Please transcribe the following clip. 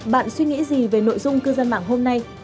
bạn suy nghĩ gì về nội dung cư dân mạng hôm nay